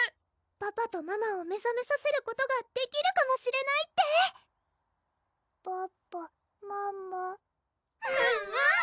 パパとママを目ざめさせることができるかもしれないってパパママ？